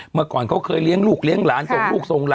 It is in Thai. เมื่อก่อนเขาเคยเลี้ยงลูกเลี้ยงหลาน